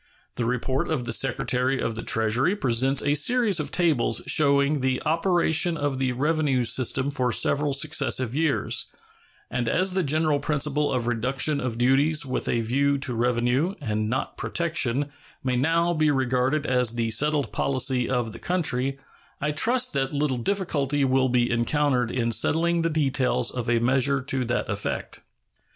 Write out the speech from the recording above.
The report of the Secretary of the Treasury presents a series of tables showing the operation of the revenue system for several successive years; and as the general principle of reduction of duties with a view to revenue, and not protection, may now be regarded as the settled policy of the country, I trust that little difficulty will be encountered in settling the details of a measure to that effect.